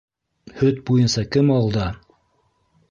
Һөт буйынса кем алда?